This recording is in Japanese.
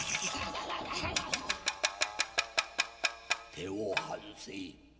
「手を外せ。